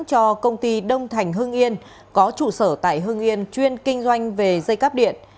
cho công ty đông thành hưng yên có trụ sở tại hưng yên chuyên kinh doanh về dây cắp điện